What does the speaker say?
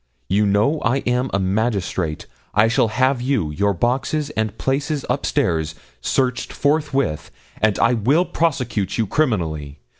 You know I am a magistrate; and I shall have you, your boxes, and places up stairs, searched forthwith, and I will prosecute you criminally.